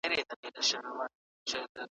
آیا ته د پښتو ژبې ګرامر پېژنې؟